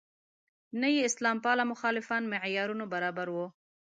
نه یې اسلام پاله مخالفان معیارونو برابر وو.